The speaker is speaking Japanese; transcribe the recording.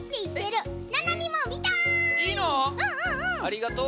ありがとう。